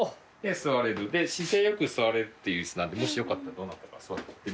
姿勢良く座れるっていう椅子なんでもしよかったらどなたか座ってみてください。